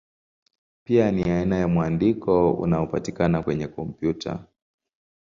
Pia ni aina ya mwandiko unaopatikana kwenye kompyuta.